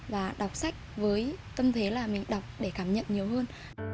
và đọc sách với tâm thế là mình đọc để cảm nhận nhiều hơn